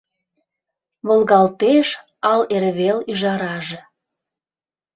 Волгалтеш ал эрвел ӱжараже.